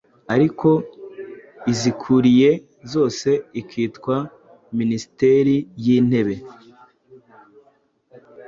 Ariko izikuriye zose ikitwa Minisiteri y’Intebe.